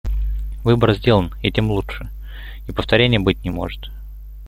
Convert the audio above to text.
Выбор сделан, и тем лучше... И повторенья быть не может.